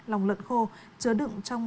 lòng lợn khô chứa đựng trong